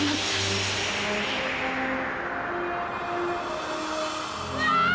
tidak ada siapa